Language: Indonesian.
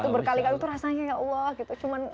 berkali kali tuh rasanya ya allah gitu